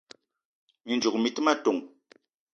Mi ndzouk mi te ma ton: